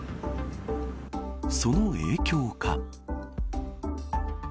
その影響か。